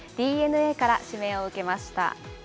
ＤｅＮＡから指名を受けました。